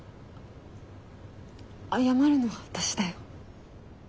謝るのは私だよ。